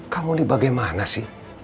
kamu ini bagaimana sih